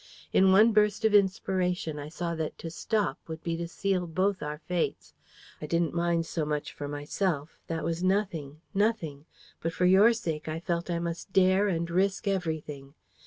In one burst of inspiration, I saw that to stop would be to seal both our fates. I didn't mind so much for myself; that was nothing, nothing: but for your sake I felt I must dare and risk everything.